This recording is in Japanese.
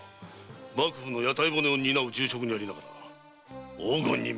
幕府の屋台骨を担う重職にありながら黄金に目が眩み